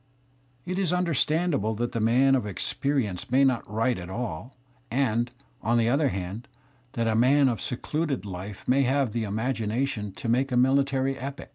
It is understandable that the man of experience may not write at all, and, on the other hand, that the man of secluded life may have the imagination to make a military epic.